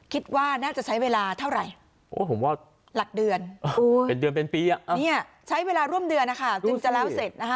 คิดว่าน่าจะใช้เวลาเท่าไหร่โอ้ผมว่าหลักเดือนเป็นเดือนเป็นปีอ่ะเนี่ยใช้เวลาร่วมเดือนนะคะจึงจะแล้วเสร็จนะคะ